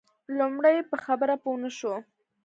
لومړی په خبره پوی نه شو.